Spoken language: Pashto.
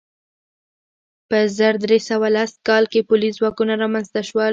په زر درې سوه لس کال کې پولیس ځواکونه رامنځته شول.